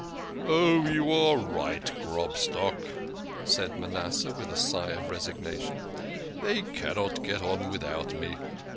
"Ah, you are right, Grobstock," said Manasseh with a sigh of resignation. "They cannot get on without me.